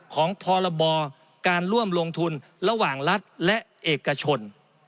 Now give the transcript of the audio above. พรบการร่วมลงทุนระหว่างรัฐและเอกชน